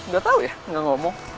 gak tau ya gak ngomong